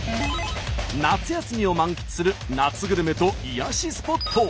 夏休みを満喫する夏グルメと癒やしスポット。